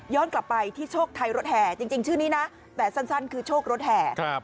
กลับไปที่โชคไทยรถแห่จริงชื่อนี้นะแต่สั้นคือโชครถแห่